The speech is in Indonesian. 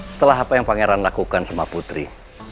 setelah apa yang pangeran lakukan sama putri